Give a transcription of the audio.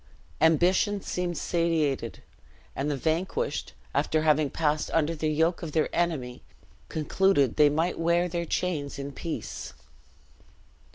Ambition seemed satiated; and the vanquished, after having passed under the yoke of their enemy, concluded they might wear their chains in peace.